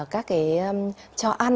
các cái cho ăn